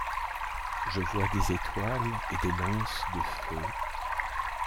Je vois des étoiles et des lances de feu.